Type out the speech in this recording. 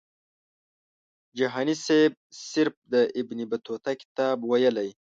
جهاني سیب صرف د ابن بطوطه کتاب ویلی.